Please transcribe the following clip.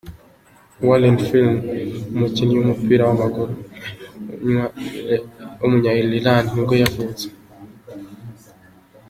Warren Feeney, umukinnyi w’umupira w’amaguru w’umunya Ireland nibwo yavutse.